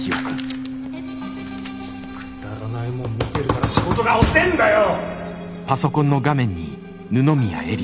くだらないモン見てるから仕事が遅ぇんだよ！